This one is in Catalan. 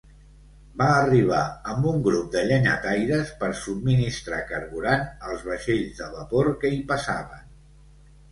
Va arribar amb un grup de llenyataires per subministrar carburant als vaixells de vapor que hi passaven.